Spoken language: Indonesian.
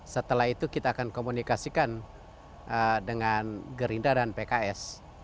setelah itu kita akan komunikasikan dengan gerindra dan pks